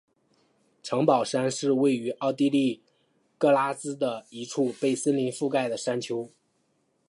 城堡山是位于奥地利格拉兹的一处被森林覆盖的山丘。